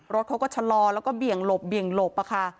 รถเขาก็ชะลอแล้วก็เบี่ยงหลบค่ะ